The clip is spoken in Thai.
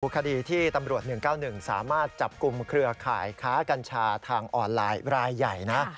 คดีที่ตำรวจ๑๙๑สามารถจับกลุ่มเครือข่ายค้ากัญชาทางออนไลน์รายใหญ่นะ